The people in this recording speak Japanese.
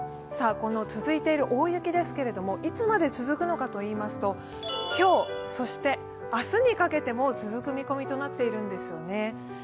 続いている大雪ですけれども、いつまで続くのかといいますと今日、そして明日にかけても続く見込みとなっているんですよね。